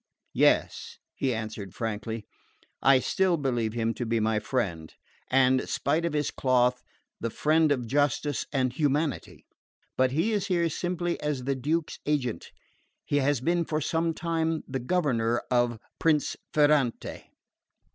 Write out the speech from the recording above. "Yes," he answered frankly, "I still believe him to be my friend, and, spite of his cloth, the friend of justice and humanity. But he is here simply as the Duke's agent. He has been for some time the governor of Prince Ferrante."